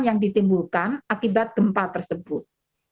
yang ditimbulkan akibat gempa tersebut